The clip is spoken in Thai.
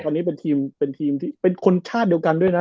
ตอนนี้เป็นทีมเป็นทีมที่เป็นคนชาติเดียวกันด้วยนะ